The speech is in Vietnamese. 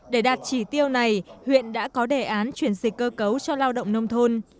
để đạt chỉ tiêu này huyện đã có đề án chuyển dịch cơ cấu cho lao động nông thôn